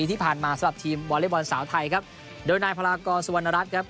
ที่ผ่านมาสำหรับทีมวอเล็กบอลสาวไทยครับโดยนายพลากรสุวรรณรัฐครับ